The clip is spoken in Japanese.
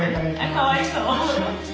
かわいそう。